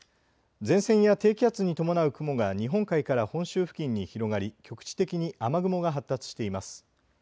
前線や低気圧に伴う雲が日本海から本州付近に広がり局地的に雨雲が発達しています。